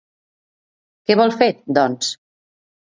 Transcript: Què vol fer, doncs?